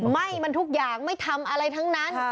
ไหม้มันทุกอย่างไม่ทำอะไรทั้งนั้น